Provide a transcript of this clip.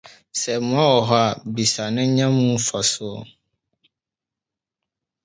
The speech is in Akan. Sɛ mmoa wɔ hɔ a, bisa, na nya mu mfaso.